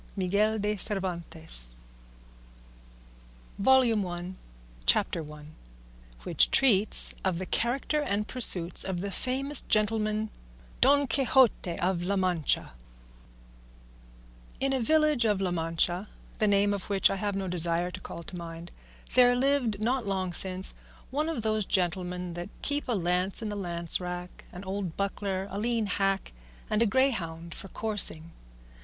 Miguel de Cervantes CHAPTER I. WHICH TREATS OF THE CHARACTER AND PURSUITS OF THE FAMOUS GENTLEMAN DON QUIXOTE OF LA MANCHA In a village of La Mancha, the name of which I have no desire to call to mind, there lived not long since one of those gentlemen that keep a lance in the lance rack, an old buckler, a lean hack, and a greyhound for coursing.